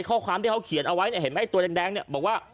ข้อความที่เขาเขียนเอาไว้เห็นไหมตัวแดงบอกว่า